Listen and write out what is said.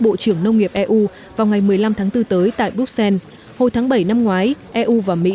bộ trưởng nông nghiệp eu vào ngày một mươi năm tháng bốn tới tại bruxelles hồi tháng bảy năm ngoái eu và mỹ